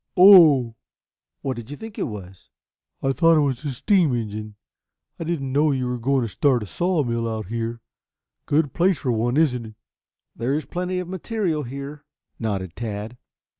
"Oh!" "What did you think it was?" "I thought it was a steam engine. I didn't know but you were going to start a sawmill out here. Good place for one, isn't it?" "There is plenty of material here," nodded Tad.